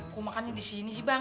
aku makannya di sini sih bang